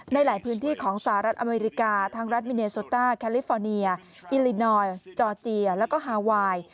ในหลายพื้นที่ของสหรัฐอเมริกาทั้งรัฐมิเนโซต้าแคลิฟอร์เนียอิลินอยจอร์เจียแล้วก็ฮาไวน์